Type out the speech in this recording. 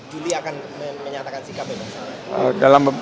juli akan menyatakan sikapnya